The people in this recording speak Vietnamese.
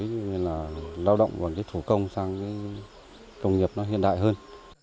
như là lao động và cái thủ công sang công nghiệp nó hiện đại hơn